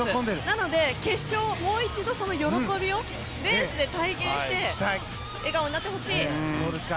なので、決勝でもう一度その喜びをレースで体現して笑顔になってほしい！